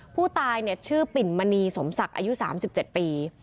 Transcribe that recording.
ผู้ตายชื่อปิ่นมณีสมศักดิ์อายุ๓๗ปี